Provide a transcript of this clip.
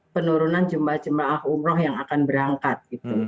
penurunan jumlah jemaah umroh yang akan berangkat